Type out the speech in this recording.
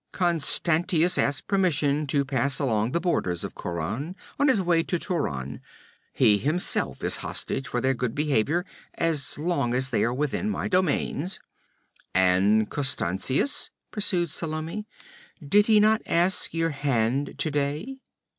'Constantius asked permission to pass along the borders of Khauran on his way to Turan. He himself is hostage for their good behavior as long as they are within my domains.' 'And Constantius,' pursued Salome. 'Did he not ask your hand today?'